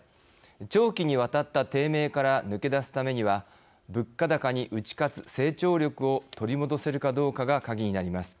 長期にわたった低迷から抜け出すためには、物価高に打ち勝つ成長力を取り戻せるかどうかが鍵になります。